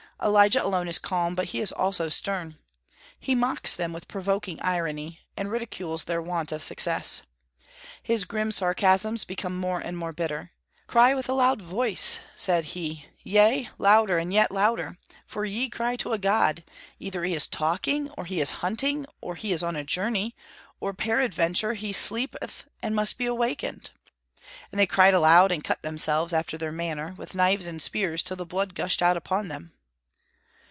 Elijah alone is calm; but he is also stern. He mocks them with provoking irony, and ridicules their want of success. His grim sarcasms become more and more bitter. "Cry with a loud voice!" said he, "yea, louder and yet louder! for ye cry to a god; either he is talking, or he is hunting, or he is on a journey, or peradventure he sleepeth and must be awakened." And they cried aloud, and cut themselves, after their manner, with knives and spears, till the blood gushed out upon them.